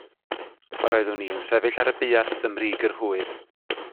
Yr oeddwn i yn sefyll ar y buarth ym mrig yr hwyr.